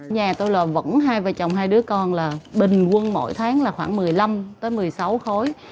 nhà tôi là vẫn hai vợ chồng hai đứa con là bình quân mỗi tháng là khoảng một mươi năm một mươi sáu khối